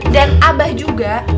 dan abah juga